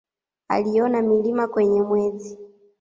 Aliona milima kwenye Mwezi.